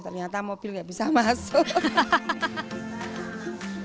ternyata mobil nggak bisa masuk